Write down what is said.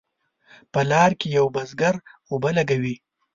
په لار کې یو بزګر اوبه لګوي.